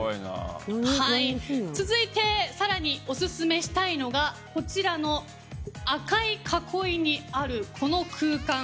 続いて、更にオススメしたいのがこちらの赤い囲いにあるこの空間。